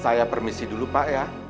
saya permisi dulu pak ya